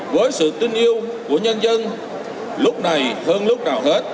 với sự tin yêu của nhân dân lúc này hơn lúc nào hết